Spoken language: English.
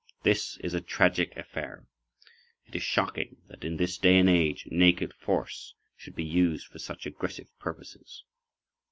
This is a tragic affair. It is shocking that in this day and age naked force should be used for such aggressive purposes.